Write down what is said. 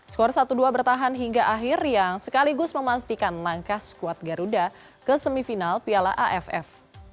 skor satu dua bertahan hingga akhir yang sekaligus memastikan langkah squad garuda ke semifinal piala aff